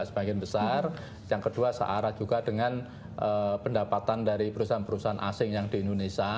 sebagian besar yang kedua searah juga dengan pendapatan dari perusahaan perusahaan asing yang di indonesia